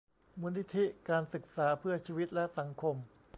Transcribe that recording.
มูลนิธิการศึกษาเพื่อชีวิตและสังคม